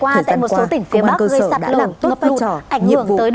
thời gian qua công an cơ sở đã làm tốt phát trò nhiệm vụ